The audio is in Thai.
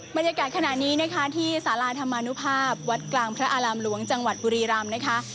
บรรยากาศขณะนี้นะคะที่สาราธรรมนุภาพวัดกลางพระอารามหลวงจังหวัดบุรีรำนะคะ